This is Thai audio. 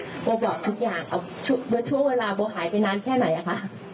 โบบอกทุกอย่างกับช่วงเวลาโบหายไปนานแค่ไหนอะคะ